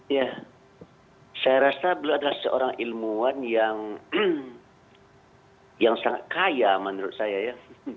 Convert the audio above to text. ya saya rasa beliau adalah seorang ilmuwan yang sangat kaya menurut saya ya